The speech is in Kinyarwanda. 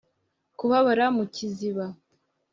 kubabara mu kiziba cy